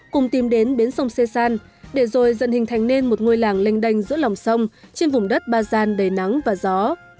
cùng tìm đến bến sông xê san để rồi dần hình thành nên một ngôi làng lênh đênh giữa lòng sông trên vùng đất ba gian đầy nắng và gió